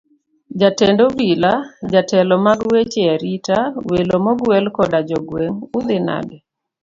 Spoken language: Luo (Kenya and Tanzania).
Jatend obila, jotelo mag weche arita, welo mogwel koda jogweng', udhi nade?